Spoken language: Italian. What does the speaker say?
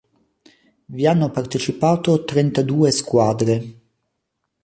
Vi hanno partecipato trentadue squadre.